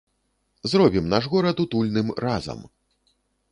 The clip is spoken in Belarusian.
Зробім наш горад утульным разам!